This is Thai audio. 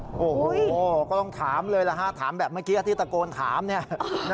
โอ้โหก็ต้องถามเลยนะฮะถามแบบเมื่อกี้อาทิตย์ตะโกนถามนี่นะฮะ